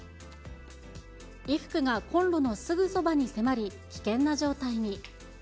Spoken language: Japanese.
衣服がコンロのすぐそばに迫り、危険な状態に。